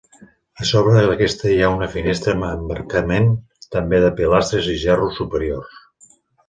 A sobre d'aquesta hi ha una finestra amb emmarcament també de pilastres i gerros superiors.